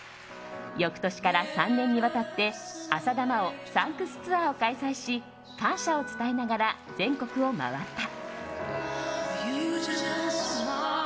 翌年から３年にわたって「浅田真央サンクスツアー」を開催し感謝を伝えながら全国を回った。